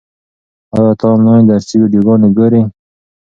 ایا ته آنلاین درسي ویډیوګانې ګورې؟